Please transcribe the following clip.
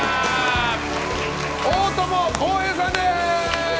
大友康平さんです！